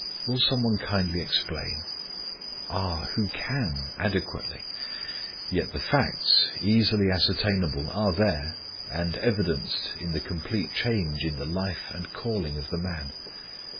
Will some one kindly explain? Ah! who can, adequately! Yet the facts, easy ascertainable, are there, and evidenced in the complete change in the life and calling of the man.